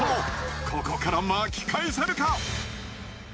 ここから巻き返せるか。